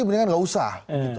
mendingan nggak usah